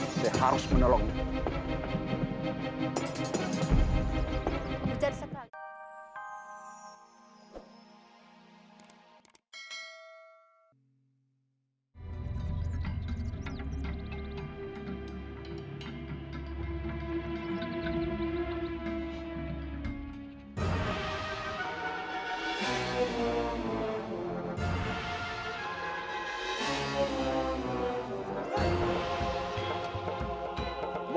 saya harus menolongmu